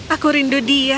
aku rindu dia